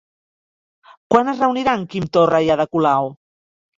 Quan es reuniran Quim Torra i Ada Colau?